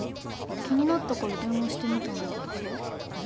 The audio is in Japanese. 気になったから電話してみたんだけどさ全然出なくて。